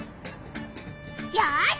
よし！